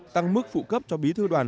tăng mức phụ cấp cho bí thư đoàn